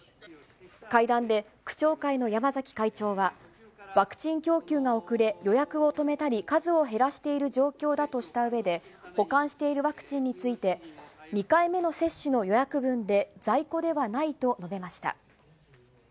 会談で、区長会の山崎会長はワクチン供給が遅れ、予約を止めたり、数を減らしている状況だとしたうえで、保管しているワクチンについて、２回目の接種の予約分で、在庫ではないと述べました。